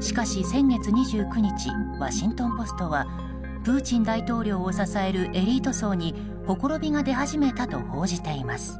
しかし先月２９日ワシントン・ポストはプーチン大統領を支えるエリート層にほころびが出始めたと報じています。